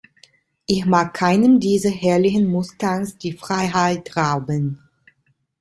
Ich mag keinem dieser herrlichen Mustangs die Freiheit rauben.